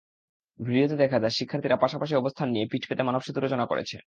ভিডিওতে দেখা যায়, শিক্ষার্থীরা পাশাপাশি অবস্থান নিয়ে পিঠ পেতে মানবসেতু রচনা করেছে।